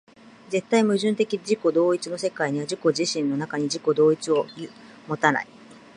絶対矛盾的自己同一の世界は自己自身の中に自己同一を有たない。